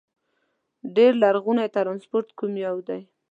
ډېر لرغونی ترانسپورت کوم یو دي؟